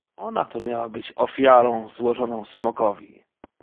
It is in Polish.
"Ona to miała być ofiarą, złożoną smokowi."